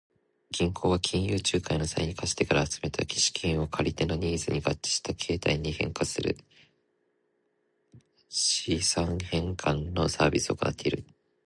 銀行は金融仲介の際に、貸し手から集めた資金を借り手のニーズに合致した形態に変換する資産変換のサービスを行っている。